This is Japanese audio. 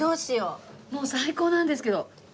もう最高なんですけど。